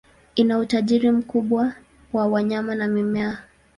Ina utajiri mkubwa wa wanyama na mimea.